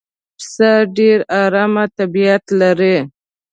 پسه ډېر آرام طبیعت لري.